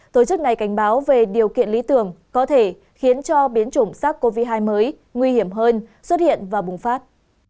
tổ chức này cảnh báo về điều kiện lý tưởng có thể khiến cho biến chủng sars cov hai mới nguy hiểm hơn xuất hiện và bùng phát